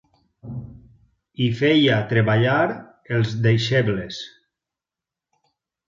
Hi feia treballar els deixebles